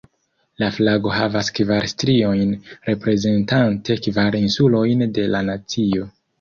La flago havas kvar striojn, reprezentante kvar insulojn de la nacio.